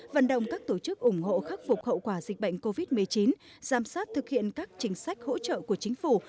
vận động các tổ chức ủng hộ khắc phục hậu quả dịch bệnh covid một mươi chín giám sát thực hiện các chính sách hỗ trợ của chính phủ